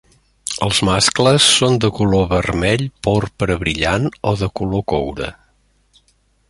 Els mascles són de color vermell-porpra brillant o de color coure.